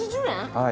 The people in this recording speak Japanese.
はい。